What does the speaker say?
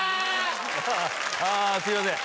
ああすいません